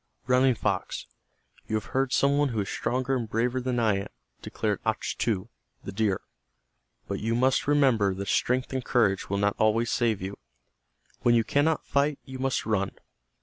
"Running Fox, you have heard some one who is stronger and braver than I am," declared Achtu, the deer. "But you must remember that strength and courage will not always save you. When you cannot fight you must run.